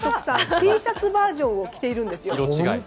Ｔシャツバージョンを着ているんです。